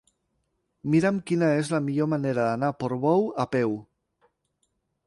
Mira'm quina és la millor manera d'anar a Portbou a peu.